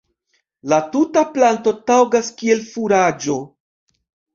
La tuta planto taŭgas kiel furaĝo.